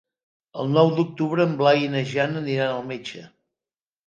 El nou d'octubre en Blai i na Jana aniran al metge.